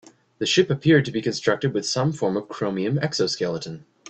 The ship appeared to be constructed with some form of chromium exoskeleton.